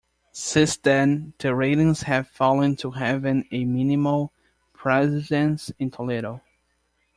Since then, the ratings have fallen to having a minimal presence in Toledo.